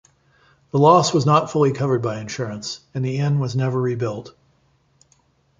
The loss was not fully covered by insurance, and the inn was never rebuilt.